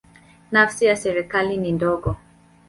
Nafasi ya serikali ni ndogo.